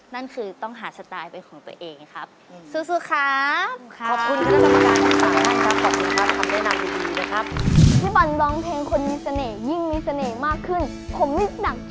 นั่นคือต้องหาสไตล์เป็นของตัวเองครับ